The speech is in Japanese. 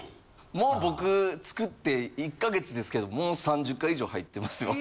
もう僕造って１か月ですけどもう３０回以上入ってますよ。